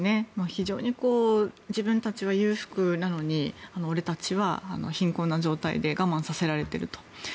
非常に、自分たちは裕福なのに俺たちは貧困な状態で我慢させられていると。